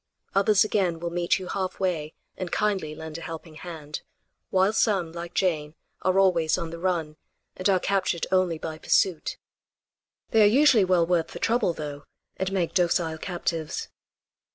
Others again will meet you half way and kindly lend a helping hand; while some, like Jane, are always on the run, and are captured only by pursuit. They are usually well worth the trouble though, and make docile captives.